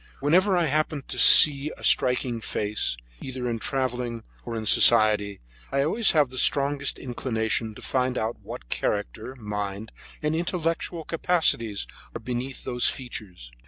Whenever I happen to see a striking new face, either in travelling or in society, I always have the strongest inclination to find out what character, mind, and intellectual capacities are hidden beneath those features.